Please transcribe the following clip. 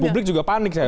dan publik juga panik saya